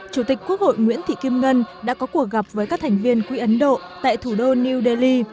chủ tịch quốc hội nguyễn thị kim ngân đã có cuộc gặp với các thành viên quỹ ấn độ tại thủ đô new delhi